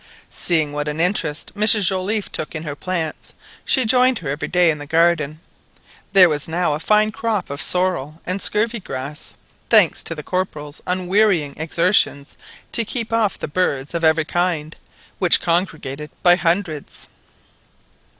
Seeing what an interest Mrs Joliffe took in her plants, she joined her every day in the garden. There was now a fine crop of sorrel and scurvy grass—thanks to the Corporal's unwearying exertions to keep off the birds of every kind, which congregated by hundreds.